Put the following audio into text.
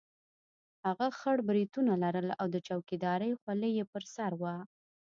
هغه خړ برېتونه لرل او د چوکیدارۍ خولۍ یې پر سر وه.